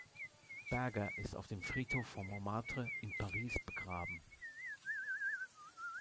Berger ist auf dem Friedhof von Montmartre in Paris begraben.